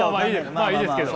まあいいですけど。